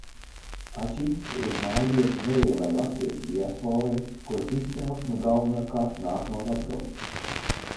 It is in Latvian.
Ačinska ir mājvieta nelielai latviešu diasporai, kuras izcelsme galvenokārt nāk no Latgales.